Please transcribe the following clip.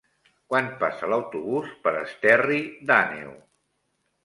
Quan passa l'autobús per Esterri d'Àneu?